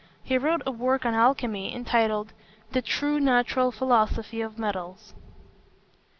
He wrote a work on alchymy, entitled The true Natural Philosophy of Metals.